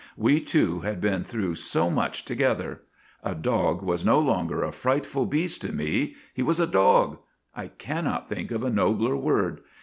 We two had been through so much together. A dog was no longer a frightful beast to me; he was a dog! I cannot think of a nobler word.